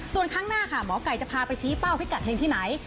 ส่วนข้างหน้าค่ะหมอไก่จะพาไปชี้เป้าพิกัดเฮงที่ไหน